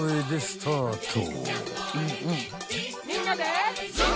みんなで！